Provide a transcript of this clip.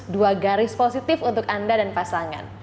dua garis positif untuk anda dan pasangan